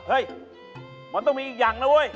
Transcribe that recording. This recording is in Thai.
เฮ้ยมันต้องมีอีกอย่างนะเว้ย